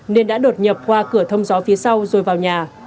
nên đã đột nhập qua cửa thông gió phía sau rồi vào nhà